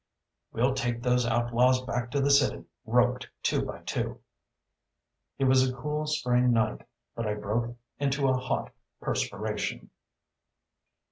We'll take those outlaws back to the city, roped two by two." It was a cool spring night, but I broke into a hot perspiration.